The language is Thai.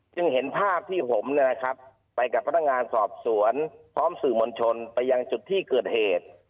เห็นภาพที่ผมไปกับพนักงานสอบสวนพร้อมสื่อมวลชนไปยังจุดที่เกิดเหตุ